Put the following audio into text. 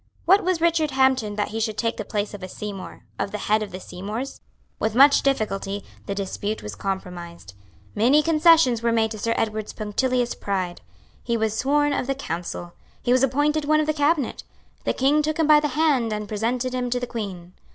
What was Richard Hampden that he should take the place of a Seymour, of the head of the Seymours? With much difficulty, the dispute was compromised. Many concessions were made to Sir Edward's punctilious pride. He was sworn of the Council. He was appointed one of the Cabinet. The King took him by the hand and presented him to the Queen.